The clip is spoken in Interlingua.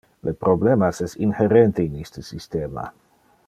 Le problemas es inherente in iste systema.